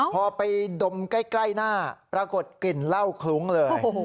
พอไปดมใกล้หน้าปรากฏกลิ่นเหล้าคลุ้งเลย